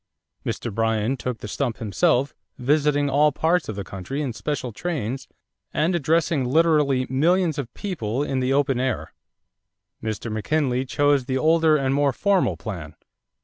Mr. Bryan took the stump himself, visiting all parts of the country in special trains and addressing literally millions of people in the open air. Mr. McKinley chose the older and more formal plan.